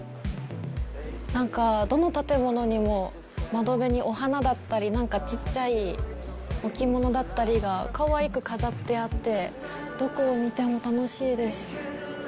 なんか、どの建物にも窓辺にお花だったりなんかちっちゃい置物だったりがかわいく飾ってあってどこを見ても楽しいです。